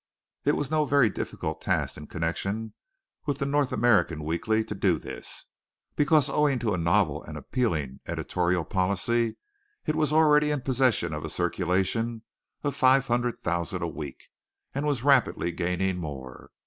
It was no very difficult task in connection with the North American Weekly to do this, because owing to a novel and appealing editorial policy it was already in possession of a circulation of five hundred thousand a week, and was rapidly gaining more.